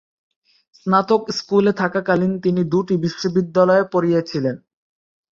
স্নাতক স্কুলে থাকাকালীন তিনি দুটি বিশ্ববিদ্যালয়ে পড়িয়েওছিলেন।